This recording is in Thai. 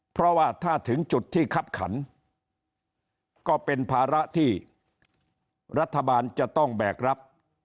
เพราะว่าถ้าถึงจุดที่คับขันก็เป็นภาระที่รัฐบาลจะต้องแบกรับ